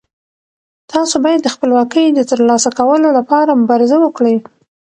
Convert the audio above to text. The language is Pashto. تاسو باید د خپلواکۍ د ترلاسه کولو لپاره مبارزه وکړئ.